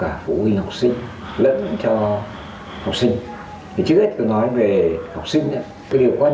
và như giáo sư đã chia sẻ thì việc học trực tuyến